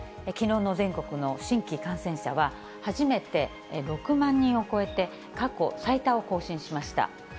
きのうの全国の新規感染者は、初めて６万人を超えて、過去最多を更新しました。